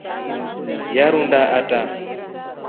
Nyarunda ata.